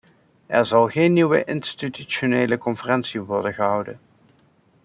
Er zal geen nieuwe institutionele conferentie worden gehouden.